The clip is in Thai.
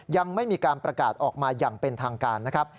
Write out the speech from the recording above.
ยังไม่มีการประกาศออกมาอย่างเป็นทางการนะครับ